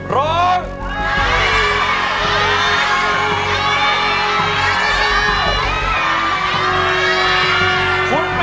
ร้อง